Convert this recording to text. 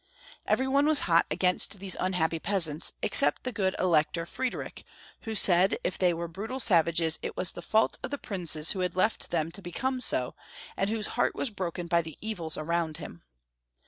Every one was hot against these unhappy peasants, except the good Elector Fried rich, who said if they were brutal savages it was the fault of the princes who had left them to be come so, and whose heart was broken by the evils around him.